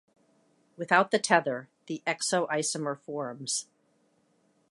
Without the tether, the exo isomer forms.